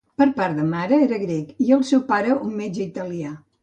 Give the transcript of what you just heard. Per part de mare era grec i el seu pare un metge italià.